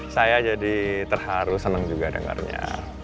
saya jadi terharu senang juga dengarnya